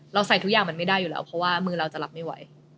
ใส่ทุกอย่างมันไม่ได้อยู่แล้วเพราะว่ามือเราจะรับไม่ไหว